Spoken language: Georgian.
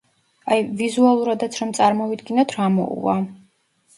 აი ვიზუალურადაც რომ წარმოვიდგინოთ, რა მოუვა?